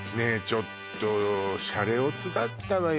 ちょっとシャレオツだったわよ